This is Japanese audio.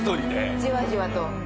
じわじわと。